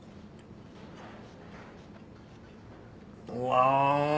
うわ。